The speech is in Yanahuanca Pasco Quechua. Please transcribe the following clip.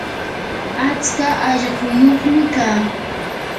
atska allquyuqmi kaa.